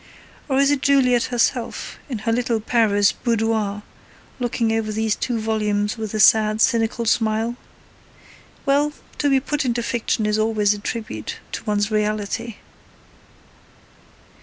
Or is it Juliet herself, in her little Paris boudoir, looking over these two volumes with a sad, cynical smile? Well, to be put into fiction is always a tribute to one's reality.